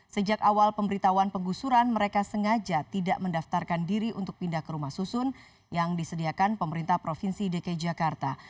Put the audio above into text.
sejak awal pemberitahuan penggusuran mereka sengaja tidak mendaftarkan diri untuk pindah ke rumah susun yang disediakan pemerintah provinsi dki jakarta